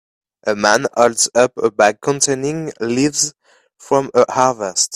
A man holds up a bag containing leaves from a harvest